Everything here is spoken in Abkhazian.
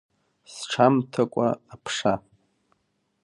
Сҽамҭакәа аԥша.